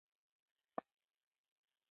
بې مینې انسان فکر کوم د مړي په څېر وي